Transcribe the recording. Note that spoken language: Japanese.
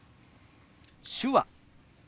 「手話」。